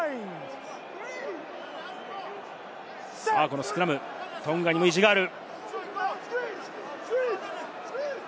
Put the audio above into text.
このスクラム、トンガにも意地がある。